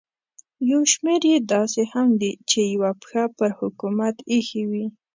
یو شمېر یې داسې هم دي چې یوه پښه پر حکومت ایښې وي.